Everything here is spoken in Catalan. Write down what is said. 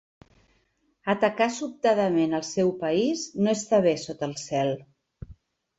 Atacar sobtadament el seu país no està bé sota el cel.